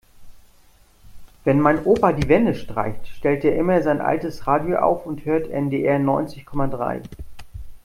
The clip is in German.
Wenn mein Opa die Wände streicht, stellt er immer sein altes Radio auf und hört NDR neunzig Komma drei.